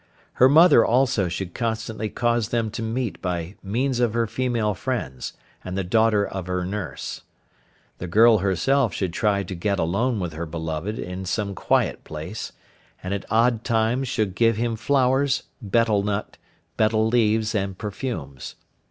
Her mother also should constantly cause them to meet by means of her female friends, and the daughter of her nurse. The girl herself should try to get alone with her beloved in some quiet place, and at odd times should give him flowers, betel nut, betel leaves and perfumes.